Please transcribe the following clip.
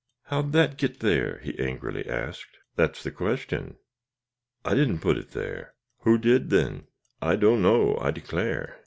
"How'd that get there?" he angrily asked. "That's the question." "I didn't put it there." "Who did, then?" "I don't know, I declare."